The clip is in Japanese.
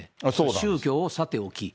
宗教をさておき。